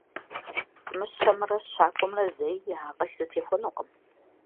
Мыщэмрэ щакӏуэмрэ зэи я акъыл зэтехуэнукъым.